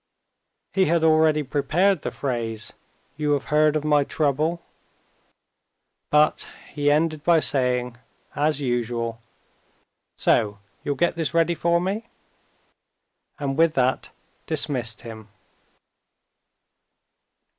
He had already prepared the phrase: "You have heard of my trouble?" But he ended by saying, as usual: "So you'll get this ready for me?" and with that dismissed him.